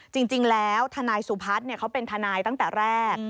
จริงแล้วธนายสุภัทธ์เนี่ยเขาเป็นธนายตั้งแต่แรก